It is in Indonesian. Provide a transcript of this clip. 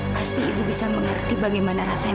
pasti ibu bisa mengerti bagaimana rasanya